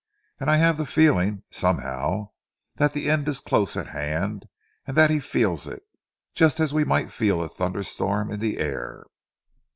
And I have the feeling, somehow, that the end is close at hand and that he feels it, just as we might feel a thunder storm in the air."